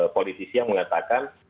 politisi yang mengatakan